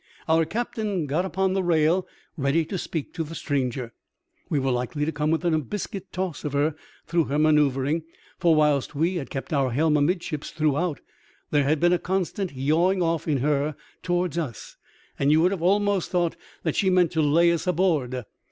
Our captain got upon the rail ready to speak the stranger. We were likely to come within a biscuit toss of her through her manoeuvring ; for whilst we had kept our helm amidships throughout, there had been a constant yawing off in her towards us, and you would have almost thought that she meant to lay us aboard.